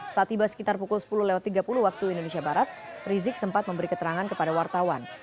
saat tiba sekitar pukul sepuluh tiga puluh waktu indonesia barat rizik sempat memberi keterangan kepada wartawan